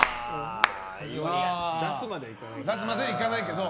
出すまではいかないかな。